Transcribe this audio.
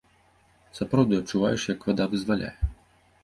Сапраўды адчуваеш, як вада вызваляе.